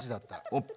おっ。